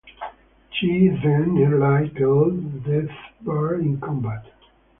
She then nearly killed Deathbird in combat.